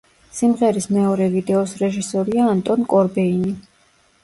სიმღერის მეორე ვიდეოს რეჟისორია ანტონ კორბეინი.